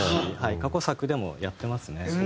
過去作でもやってますね。